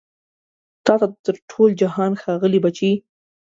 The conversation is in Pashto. تا ته تر ټول جهان ښاغلي بچي